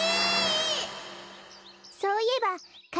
そういえばか